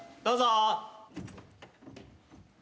どうぞ。